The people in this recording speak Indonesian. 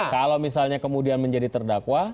kalau misalnya kemudian menjadi terdakwa